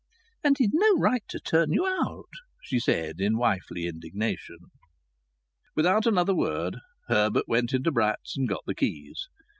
"And he'd no right to turn you out!" she said in wifely indignation. Without another word Herbert went into Bratt's and got the keys.